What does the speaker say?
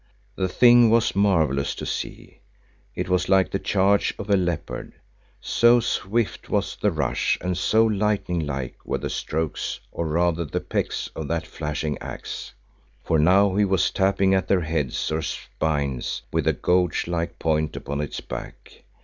The thing was marvellous to see, it was like the charge of a leopard, so swift was the rush and so lightning like were the strokes or rather the pecks of that flashing axe, for now he was tapping at their heads or spines with the gouge like point upon its back.